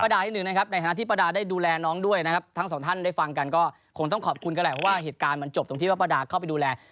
ในฐานะที่ป้าดาได้ดูแลน้องด้วยนะครับทั้งสองท่านได้ฟังกันก็คงต้องขอบคุณกันแหละเพราะว่าเหตุการณ์มันจบตรงที่ว่าป้าดาเข้าไปดูแล